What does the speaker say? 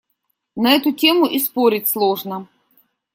На эту тему и спорить сложно.